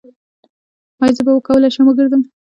ایا زه به وکولی شم وګرځم؟